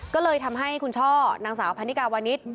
ก็เลยทำให้คุณช่อนางสาวพันนิกาวานิส